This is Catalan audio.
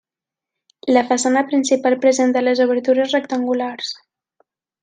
La façana principal presenta les obertures rectangulars.